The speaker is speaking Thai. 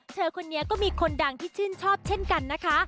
เธอคนนี้ก็มีคนดังที่ชื่นชอบเช่นกันนะคะ